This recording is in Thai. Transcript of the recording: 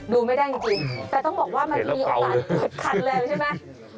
ดูไม่ได้จริงแต่ต้องบอกว่ามันมีโอกาสเกิดคันแล้วใช่ไหม